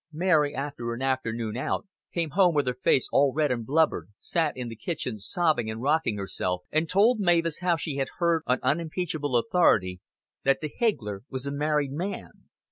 Mary, after an afternoon out, came home with her face all red and blubbered, sat in the kitchen sobbing and rocking herself, and told Mavis how she had heard on unimpeachable authority that the higgler was a married man.